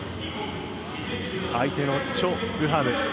相手のチョ・グハム。